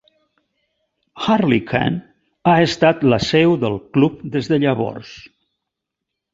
Harlyckan ha estat la seu del club des de llavors.